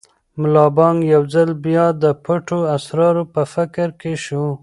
ملا بانګ یو ځل بیا د پټو اسرارو په فکر کې شو.